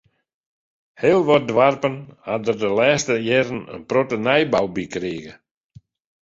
Heel wat doarpen ha der de lêste jierren in protte nijbou by krige.